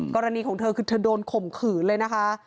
กรณีของเธอคือเธอโดนข่มขืนเลยนะคะ